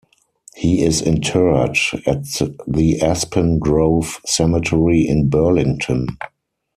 He is interred at the Aspen Grove Cemetery in Burlington.